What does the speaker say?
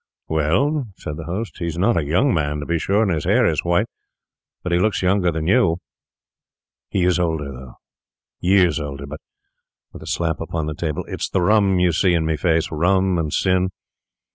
'Well,' said the host, 'he's not a young man, to be sure, and his hair is white; but he looks younger than you.' 'He is older, though; years older. But,' with a slap upon the table, 'it's the rum you see in my face—rum and sin.